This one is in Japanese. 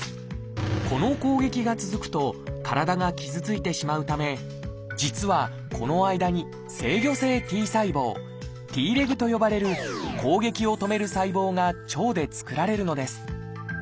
この攻撃が続くと体が傷ついてしまうため実はこの間に「制御性Ｔ細胞」と呼ばれる攻撃を止める細胞が腸で作られるのです。